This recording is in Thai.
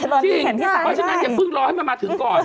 เรานี่แขนที่สามได้จริงอย่าเพิ่งรอให้มันมาถึงก่อน